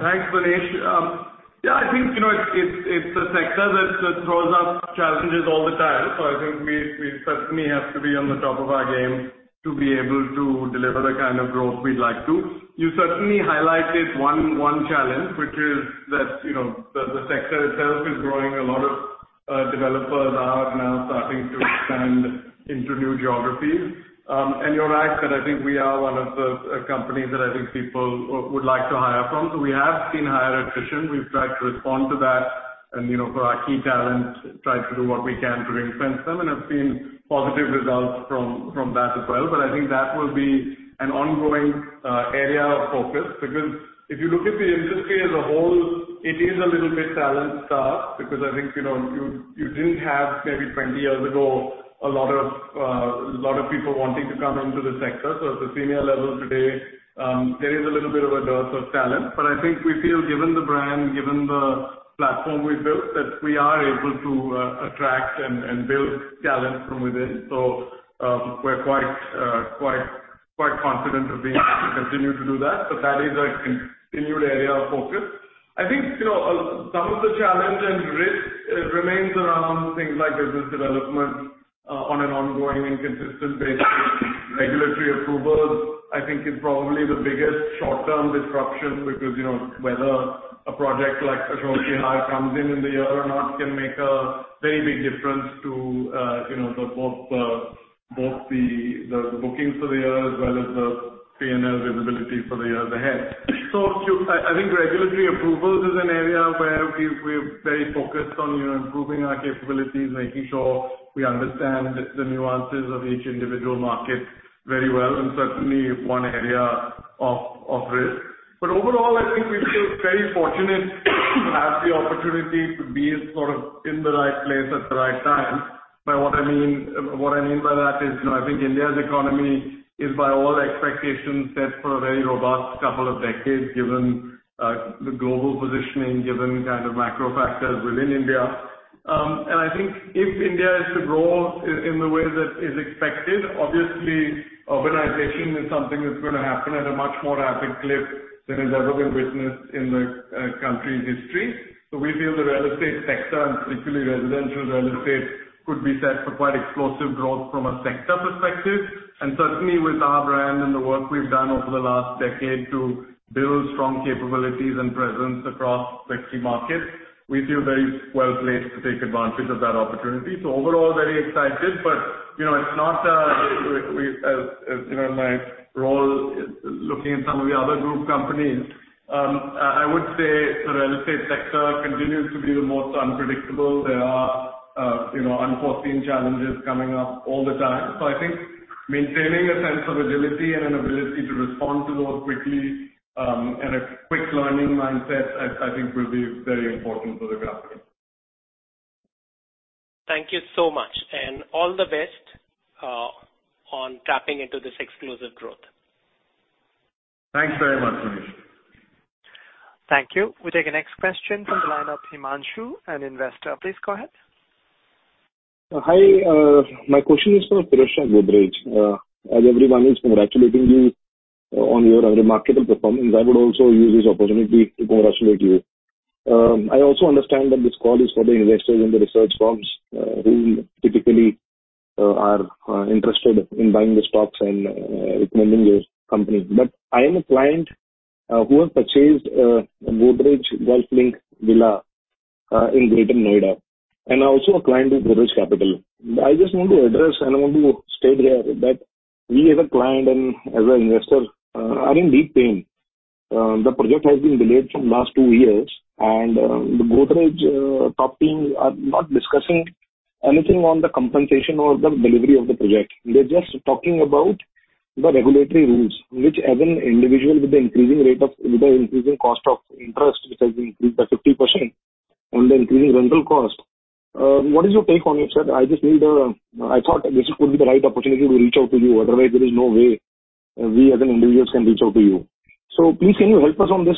Thanks, Manish. Yeah, I think, you know, it's a sector that throws up challenges all the time. I think we certainly have to be on the top of our game to be able to deliver the kind of growth we'd like to. You certainly highlighted one challenge, which is that, you know, the sector itself is growing. A lot of developers are now starting to expand into new geographies. And you're right that I think we are one of the companies that I think people would like to hire from. We have seen higher attrition. We've tried to respond to that and, you know, for our key talent, try to do what we can to retain them, and have seen positive results from that as well. I think that will be an ongoing area of focus. If you look at the industry as a whole, it is a little bit talent-starved because I think, you know, you didn't have maybe 20 years ago a lot of people wanting to come into the sector. At the senior level today, there is a little bit of a dearth of talent. I think we feel given the brand, given the platform we've built, that we are able to attract and build talent from within. We're quite confident of being able to continue to do that. That is a continued area of focus. I think, you know, some of the challenge and risk remains around things like business development on an ongoing and consistent basis. Regulatory approvals, I think is probably the biggest short-term disruption because, you know, whether a project like Ashok Vihar comes in in the year or not can make a very big difference to, you know, Both the bookings for the year as well as the P&L visibility for the year ahead. I think regulatory approvals is an area where we're very focused on, you know, improving our capabilities, making sure we understand the nuances of each individual market very well, and certainly one area of risk. Overall, I think we feel very fortunate to have the opportunity to be sort of in the right place at the right time. By what I mean... What I mean by that is, you know, I think India's economy is by all expectations set for a very robust couple of decades, given, the global positioning, given kind of macro factors within India. I think if India is to grow in the way that is expected, obviously urbanization is something that's gonna happen at a much more rapid clip than has ever been witnessed in the country's history. We feel the real estate sector, and particularly residential real estate, could be set for quite explosive growth from a sector perspective. Certainly with our brand and the work we've done over the last decade to build strong capabilities and presence across 60 markets, we feel very well-placed to take advantage of that opportunity. Overall, very excited. You know, it's not, we, as you know, my role in looking at some of the other group companies, I would say the real estate sector continues to be the most unpredictable. There are, you know, unforeseen challenges coming up all the time. I think maintaining a sense of agility and an ability to respond to those quickly, and a quick learning mindset, I think will be very important for the company. Thank you so much, and all the best on tapping into this explosive growth. Thanks very much, Manish. Thank you. We take the next question from the line of Himanshu, an investor. Please go ahead. Hi, my question is for Pirojsha Godrej. As everyone is congratulating you on your remarkable performance, I would also use this opportunity to congratulate you. I also understand that this call is for the investors and the research firms, who typically are interested in buying the stocks and recommending your company. I am a client who has purchased a Godrej Golf Links villa in Greater Noida, and also a client with Godrej Capital. I just want to address and I want to state here that we as a client and as an investor are in deep pain. The project has been delayed from last two years, and the Godrej top team are not discussing anything on the compensation or the delivery of the project. They're just talking about the regulatory rules, which as an individual with the increasing cost of interest, which has increased by 50% and the increasing rental cost, what is your take on it, sir? I thought this could be the right opportunity to reach out to you. Otherwise, there is no way we as an individuals can reach out to you. Please, can you help us on this,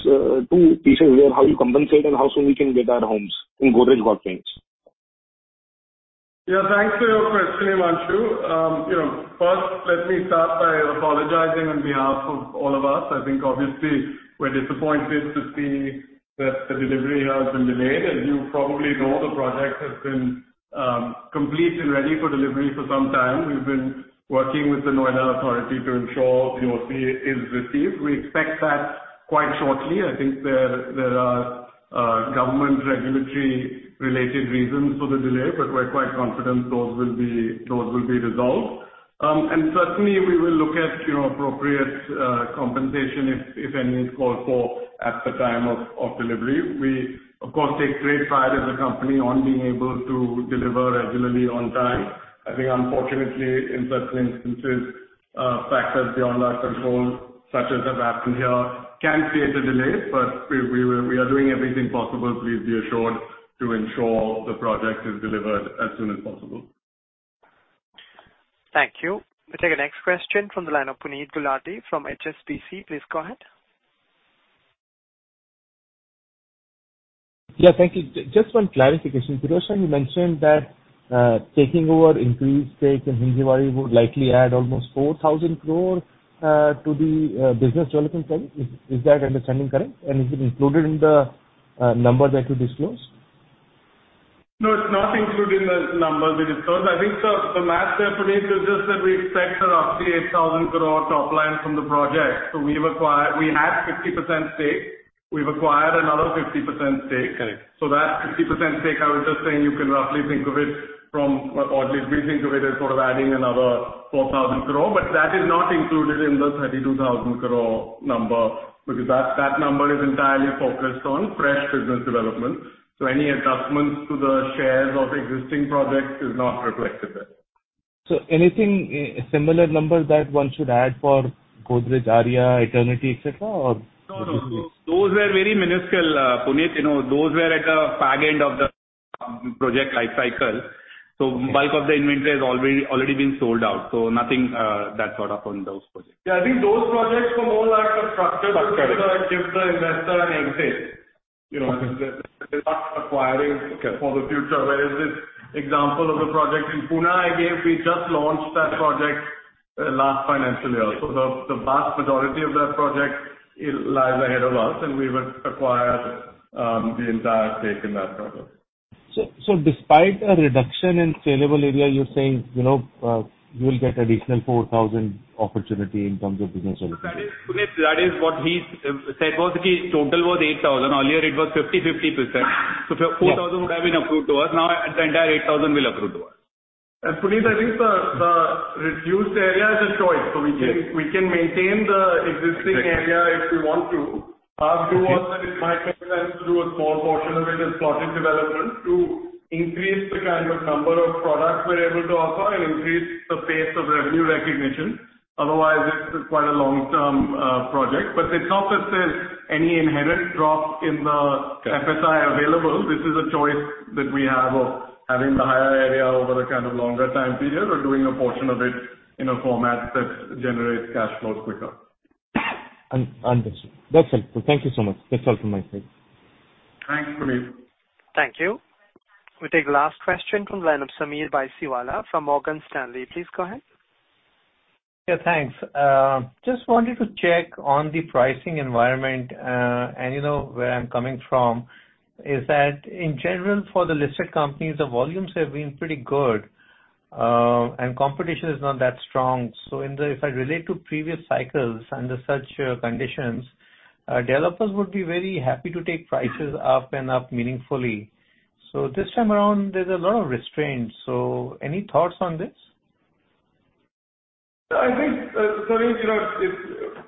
two pieces here, how you compensate and how soon we can get our homes in Godrej Golf Links? Yeah. Thanks for your question, Himanshu. You know, first let me start by apologizing on behalf of all of us. I think obviously we're disappointed to see that the delivery has been delayed. As you probably know, the project has been complete and ready for delivery for some time. We've been working with the Noida Authority to ensure NOC is received. We expect that quite shortly. I think there are government regulatory related reasons for the delay. We're quite confident those will be resolved. Certainly we will look at, you know, appropriate compensation if any is called for at the time of delivery. We of course, take great pride as a company on being able to deliver regularly on time. I think unfortunately in such instances, factors beyond our control, such as have happened here, can create a delay. We are doing everything possible, please be assured, to ensure the project is delivered as soon as possible. Thank you. We take the next question from the line of Puneet Gulati from HSBC. Please go ahead. Yeah. Thank you. Just one clarification. Pirojsha, you mentioned that taking over increased stake in Hinjewadi would likely add almost 4,000 crore to the business development side. Is that understanding correct? Is it included in the number that you disclosed? It's not included in the numbers we disclosed. I think the math there, Puneet, is just that we expect roughly 8,000 crore top line from the project. We had 50% stake. We've acquired another 50% stake. Correct. That 50% stake, I was just saying you can roughly think of it from, or at least we think of it as sort of adding another 4,000 crore. That is not included in the 32,000 crore number, because that number is entirely focused on fresh business development. Any adjustments to the shares of existing projects is not reflected there. Anything, similar numbers that one should add for Godrej Aria, Eternity, et cetera, or? No, no, those were very minuscule, Puneet. You know, those were at the far end of the project life cycle. Bulk of the inventory has already been sold out, nothing that sort of on those projects. Yeah, I think those projects for more are a. Structure. to give the investor an exit. You know, I think they're not acquiring- Okay. -for the future. This example of a project in Pune, again, we just launched that project, last financial year, so the vast majority of that project lies ahead of us, and we would acquire, the entire stake in that project. Despite a reduction in saleable area, you're saying, you know, you will get additional 4,000 opportunity in terms of business development? That is, Puneet, that is what he said was the total was 8,000. Earlier it was 50/50%. Yes. 4,000 would have been approved to us. Now the entire 8,000 will approve to us. Puneet, I think the reduced area is a choice. We can maintain the existing area if we want to. Through one that it might make sense to do a small portion of it as plotted development to increase the kind of number of products we're able to offer and increase the pace of revenue recognition. Otherwise, it's quite a long-term project. It's not that there's any inherent drop in the FSI available. This is a choice that we have of having the higher area over a kind of longer time period, or doing a portion of it in a format that generates cash flow quicker. Understood. That's helpful. Thank you so much. That's all from my side. Thanks, Puneet. Thank you. We take last question from line of Sameer Baisiwala from Morgan Stanley. Please go ahead. Yeah, thanks. Just wanted to check on the pricing environment. You know, where I'm coming from is that in general, for the listed companies, the volumes have been pretty good, and competition is not that strong. If I relate to previous cycles under such conditions, developers would be very happy to take prices up and up meaningfully. This time around, there's a lot of restraint. Any thoughts on this? I think, Sameer, you know,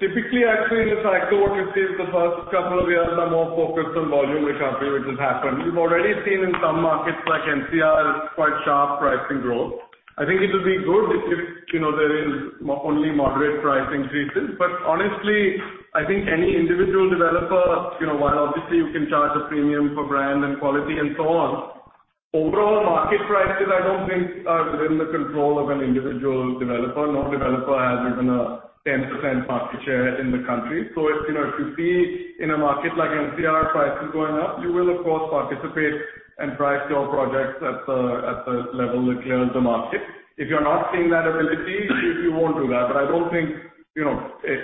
typically, actually, in a cycle what you see is the first couple of years are more focused on volume recovery, which has happened. We've already seen in some markets like NCR, quite sharp pricing growth. I think it'll be good if, you know, there is only moderate pricing increases. Honestly, I think any individual developer, you know, while obviously you can charge a premium for brand and quality and so on, overall market prices, I don't think are within the control of an individual developer. No developer has even a 10% market share in the country. If, you know, if you see in a market like NCR, prices going up, you will of course participate and price your projects at the level that clears the market. If you're not seeing that ability, you won't do that. I don't think, you know, a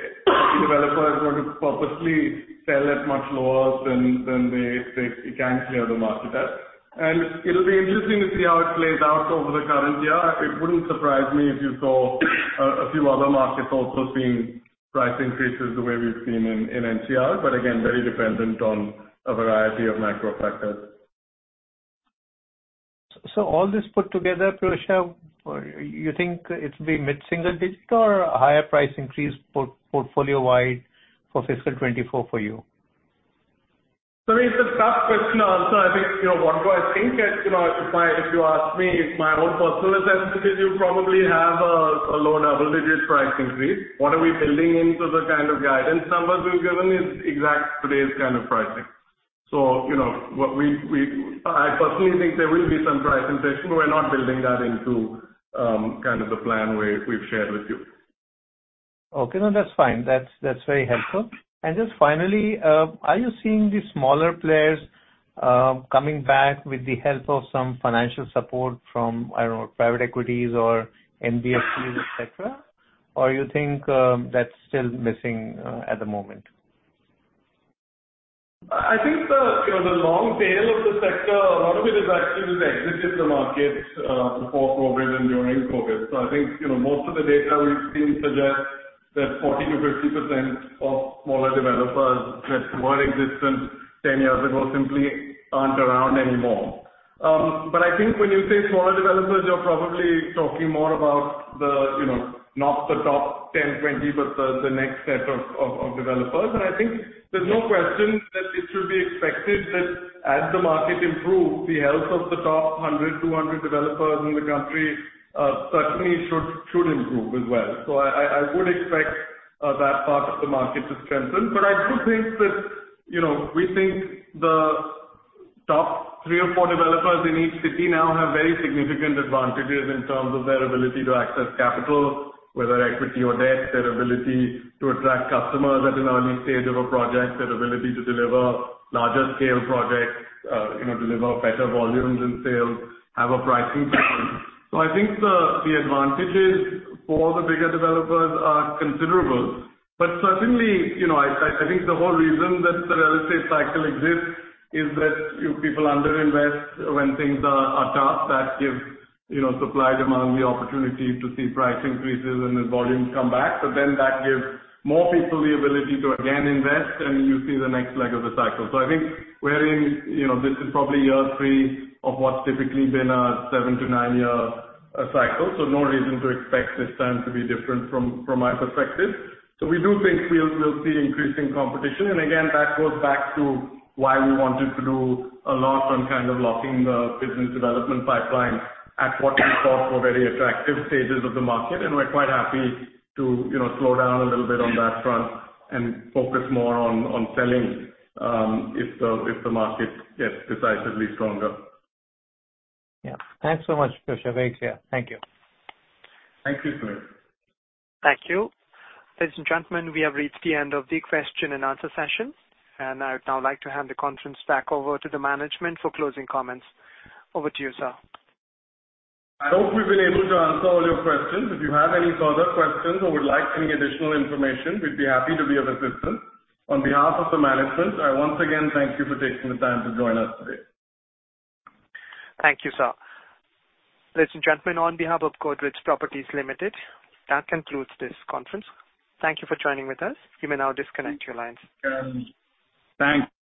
developer is going to purposely sell at much lower than they can clear the market at. It'll be interesting to see how it plays out over the current year. It wouldn't surprise me if you saw a few other markets also seeing price increases the way we've seen in NCR. Again, very dependent on a variety of macro factors. All this put together, Pirojsha, you think it'll be mid-single digit or a higher price increase portfolio wide for fiscal 2024 for you? Sameer, it's a tough question also. I think, you know, what do I think? As you know, if you ask me, if my own personal sense is you probably have a lower ability to price increase. What are we building into the kind of guidance numbers we've given is exact today's kind of pricing. You know, what we... I personally think there will be some price inflation. We're not building that into kind of the plan we're, we've shared with you. Okay. No, that's fine. That's very helpful. Just finally, are you seeing the smaller players coming back with the help of some financial support from, I don't know, private equities or NBFCs, et cetera? Or you think that's still missing at the moment? I think the, you know, the long tail of the sector, a lot of it has actually just exited the market before COVID and during COVID. I think, you know, most of the data we've seen suggests that 40% to 50% of smaller developers that were in existence 10 years ago simply aren't around anymore. I think when you say smaller developers, you're probably talking more about the, you know, not the top 10, 20, but the next set of developers. I think there's no question that it should be expected that as the market improves, the health of the top 100, 200 developers in the country certainly should improve as well. I would expect that part of the market to strengthen. I do think that, you know, we think the top three or four developers in each city now have very significant advantages in terms of their ability to access capital, whether equity or debt, their ability to attract customers at an early stage of a project, their ability to deliver larger scale projects, you know, deliver better volumes in sales, have a pricing power. I think the advantages for the bigger developers are considerable. Certainly, you know, I think the whole reason that the real estate cycle exists is that people under invest when things are tough. That gives, you know, supply, demand, the opportunity to see price increases and the volumes come back. That gives more people the ability to again invest, and you see the next leg of the cycle. I think we're in, you know, this is probably year three of what's typically been a seven-nine year cycle. No reason to expect this time to be different from my perspective. We do think we'll see increasing competition. Again, that goes back to why we wanted to do a lot on kind of locking the business development pipeline at what we thought were very attractive stages of the market. We're quite happy to, you know, slow down a little bit on that front and focus more on selling if the market gets decisively stronger. Yeah. Thanks so much, Pirojsha. Great to hear. Thank you. Thank you, Sameer. Thank you. Ladies and gentlemen, we have reached the end of the question-and-answer session, and I would now like to hand the conference back over to the management for closing comments. Over to you, sir. I hope we've been able to answer all your questions. If you have any further questions or would like any additional information, we'd be happy to be of assistance. On behalf of the management, I once again thank you for taking the time to join us today. Thank you, sir. Ladies and gentlemen, on behalf of Godrej Properties Limited, that concludes this conference. Thank you for joining with us. You may now disconnect your lines. Thank you.